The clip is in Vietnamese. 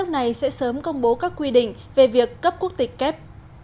nước này sẽ sớm công bố các quy định về việc cấp quốc tịch kép